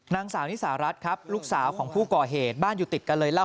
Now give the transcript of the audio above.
นางสาวนิสารัฐครับลูกสาวของผู้ก่อเหตุบ้านอยู่ติดกันเลยเล่า